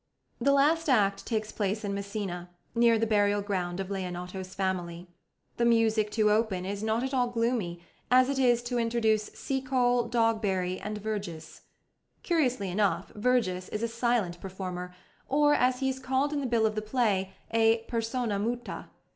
The last act takes place in Messina, near the burial ground of Leonato's family. The music to open is not at all gloomy, as it is to introduce Seacole, Dogberry, and Verges. Curiously enough, Verges is a silent performer, or, as he is called in the bill of the play, a "persona muta."